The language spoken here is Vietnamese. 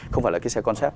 không phải là cái xe concept